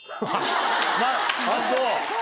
あっそう。